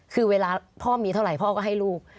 คือเวลาพ่อมีเท่าไหร่พ่อก็ให้ลูก